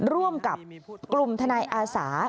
ร่วมกับกลุ่มทนายอาสา